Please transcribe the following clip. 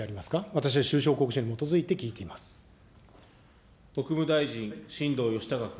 私は収支報告書に基づいて聞いて国務大臣、新藤義孝君。